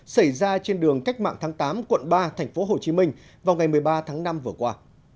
xảy ra trên đường cách mạng tháng tám quận ba tp hcm vào ngày một mươi ba tháng năm vừa qua